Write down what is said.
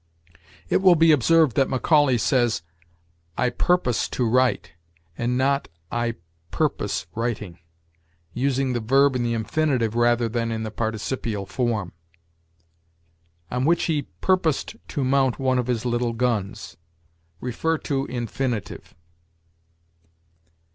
It will be observed that Macaulay says, "I purpose to write" and not, "I purpose writing," using the verb in the infinitive rather than in the participial form. "On which he purposed to mount one of his little guns." See INFINITIVE.